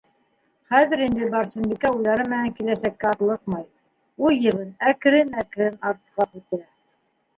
Хәҙер инде Барсынбикә уйҙары менән киләсәккә атлыҡмай - уй ебен әкрен-әкрен артҡа һүтә.